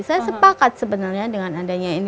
saya sepakat sebenarnya dengan adanya ini